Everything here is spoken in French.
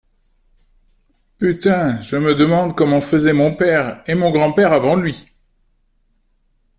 Putain, je me demande comment faisaient mon père, et mon grand-père avant lui.